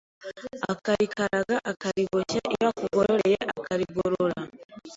Akarikaraga akarigoshya Iyo akugororeye akarigorora